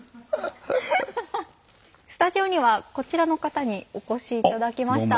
スタジオにはこちらの方にお越し頂きました。